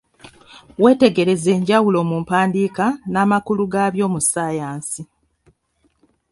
Wetegereze enjawulo mu mpandiika n'amakulu gabyo mu ssayansi